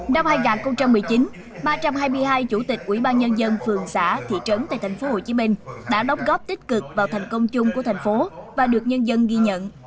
năm hai nghìn một mươi chín ba trăm hai mươi hai chủ tịch ủy ban nhân dân phường xã thị trấn tại tp hcm đã đóng góp tích cực vào thành công chung của thành phố và được nhân dân ghi nhận